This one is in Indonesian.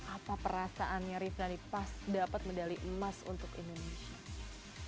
apa perasaannya rifany pas dapat medali emas untuk indonesia